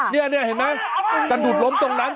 นี่เห็นไหมสะดุดล้มตรงนั้น